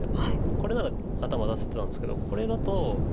これなら頭出せてたんですけどこれだと。